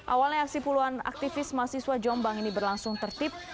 awalnya aksi puluhan aktivis mahasiswa jombang ini berlangsung tertib